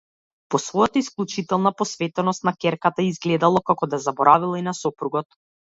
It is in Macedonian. Во својата исклучителна посветеност на ќерката изгледало како да заборавила и на сопругот.